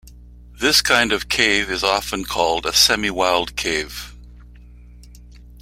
This kind of cave is often called a semi-wild cave.